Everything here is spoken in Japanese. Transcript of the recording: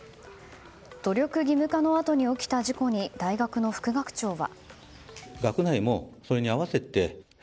努力義務化のあとに起きた事故に大学の副学長は。